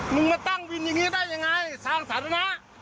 มึงมาตั้งวินอย่างนี้ได้ยังไงสร้างสาธารณะ